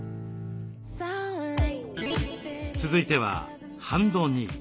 続いてはハンドニー。